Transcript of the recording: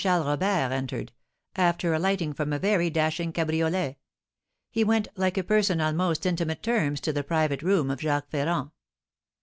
Charles Robert entered, after alighting from a very dashing cabriolet. He went like a person on most intimate terms to the private room of Jacques Ferrand.